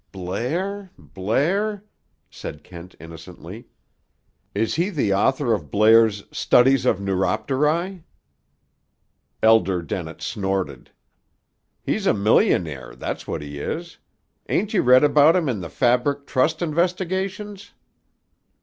"Blair? Blair?" said Kent innocently. "Is he the author of Blair's Studies of Neuropterae?" Elder Dennett snorted. "He's a millionaire, that's what he is! Ain't you read about him in the Fabric Trust investigations?"